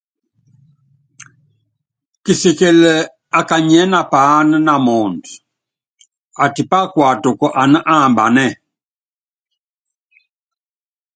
Kisikili akanyiɛ́ na paáná na muundɔ, atípá kuatuku aní ambanɛ́ɛ.